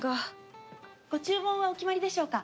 ご注文はお決まりでしょうか？